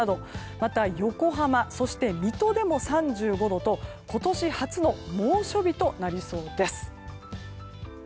また、横浜そして水戸でも３５度と今年初の猛暑日となりそうです。